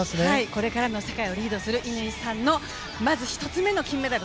これからの世界をリードする乾さんのまず１つ目の金メダル